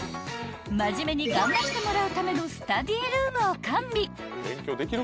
［真面目に頑張ってもらうためのスタディールームを完備］